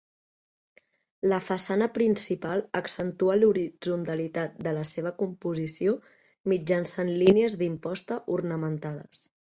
La façana principal accentua l'horitzontalitat de la seva composició mitjançant línies d'imposta ornamentades.